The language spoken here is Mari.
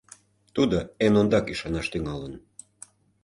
Тудо эн ондак ӱшанаш тӱҥалын.